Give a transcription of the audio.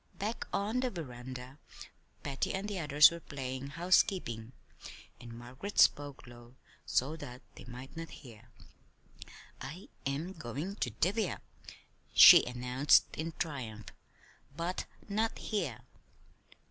Back on the veranda Patty and the others were playing "housekeeping," and Margaret spoke low so that they might not hear. "I am goin' to divvy up," she announced in triumph, "but not here."